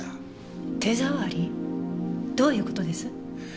どういう事です？